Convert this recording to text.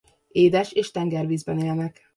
Édes- és tengervízben élnek.